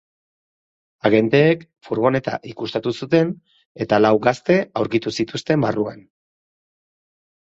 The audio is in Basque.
Agenteek furgoneta ikuskatu zuten eta lau gazte aurkitu zituzten barruan.